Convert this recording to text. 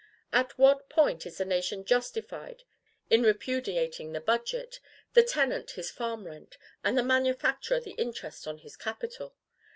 At what point is the nation justified in repudiating the budget, the tenant his farm rent, and the manufacturer the interest on his capital?